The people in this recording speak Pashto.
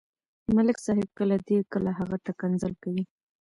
ملک صاحب کله دې، کله هغه ته کنځل کوي.